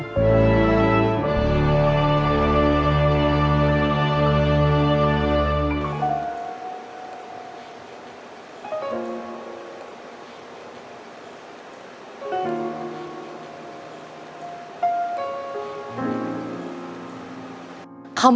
ความสุขทุกอย่างจะกลับคืนมาหาเรา